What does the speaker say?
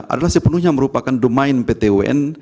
adalah sepenuhnya merupakan domain ptwn